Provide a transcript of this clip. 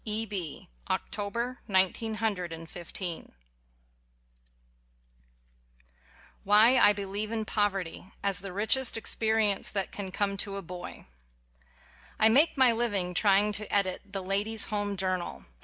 E. B. October Nineteen hundred and fifteen WHY I BELIEVE IN POVERTY WHY I BELIEVE IN POVERTY AS THE RICHEST EXPERIENCE THAT CAN COME TO A BOY I MAKE my living trying to edit the "Ladies' Home Journal."